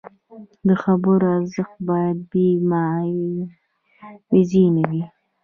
د خبرو ارزښت باید بې معاوضې نه وي.